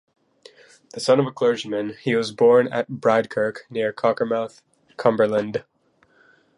The son of a clergyman, he was born at Bridekirk near Cockermouth, Cumberland.